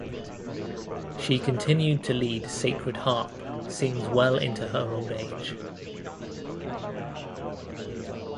She continued to lead Sacred Harp sings well into her old age.